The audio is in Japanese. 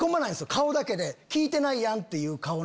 顔だけで「聞いてないやん」っていう顔。